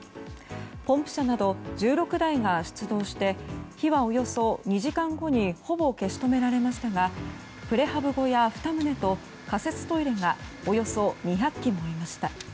ポンプ車など１６台が出動して火はおよそ２時間後にほぼ消し止められましたがプレハブ小屋２棟と仮設トイレがおよそ２００基燃えました。